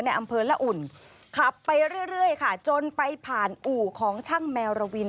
อำเภอละอุ่นขับไปเรื่อยค่ะจนไปผ่านอู่ของช่างแมวระวิน